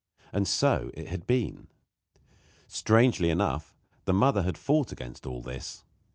And so it had been. Strangely enough, the mother had fought against all this.